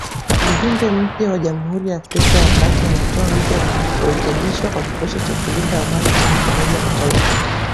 Mjumbe mpya wa Jamhuri ya Afrika ya Kati anatoa wito wa kurekebishwa kwa kikosi cha kulinda amani cha Umoja wa Mataifa